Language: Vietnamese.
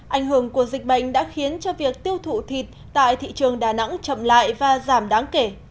ảnh hưởng của dịch bệnh đã khiến cho việc tiêu thụ thịt tại thị trường đà nẵng chậm lại và giảm đáng kể